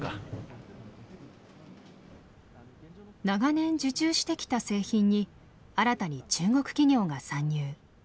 長年受注してきた製品に新たに中国企業が参入。